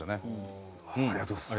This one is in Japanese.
ありがとうございます。